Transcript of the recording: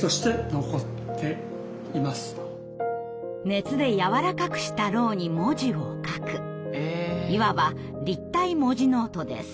熱でやわらかくした蝋に文字を書くいわば立体文字ノートです。